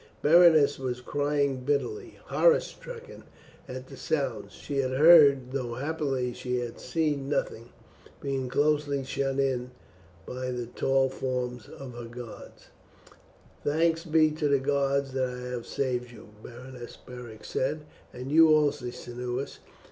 Berenice was crying bitterly, horror stricken at the sounds she had heard, though happily she had seen nothing, being closely shut in by the tall forms of her guard. "Thanks be to the gods that I have saved you, Berenice," Beric said, "and you also, Cneius!